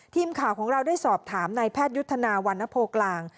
ทีมข่าวของเราได้สอบถามนายแพทยุทธนาวรรณโพกลาง